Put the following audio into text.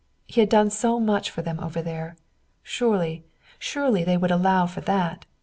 He had done so much for them over there. Surely, surely, they would allow for that.